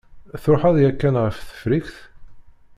Truḥeḍ yakan ɣer Tefriqt?